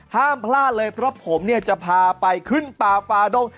ห้ามพลาดเลยเพราะผมเนี่ยจะพาไปขึ้นป่าฟาดง